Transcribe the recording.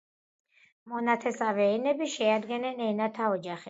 მონათესავე ენები შეადგენენ ენათა ოჯახებს.